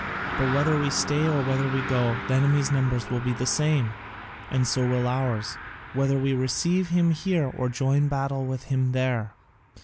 But whether we stay or whether we go, the enemy's numbers will be the same, and so will ours, whether we receive them here or join battle with them there.